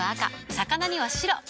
魚には白。